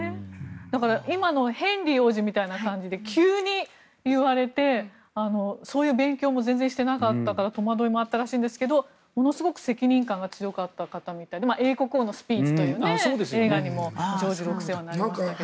今のヘンリー王子みたいな感じで急に言われて、そういう勉強も全然してなかったから戸惑いもあったらしいんですがものすごく責任感が強かった方みたいででも「英国王のスピーチ」という映画にもジョージ６世はなりましたが。